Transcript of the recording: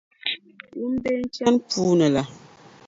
Wumbei n-chani puuni la.